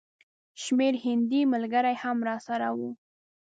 شمېر هندي ملګري هم راسره وو.